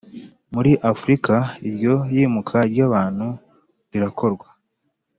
muri Afurika Iryo yimuka ry abantu rirakorwa